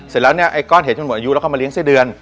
เสร็จแล้วเนี่ยไอ้ก้อนเห็ดจนหมดอายุแล้วก็มาเลี้ยไส้เดือน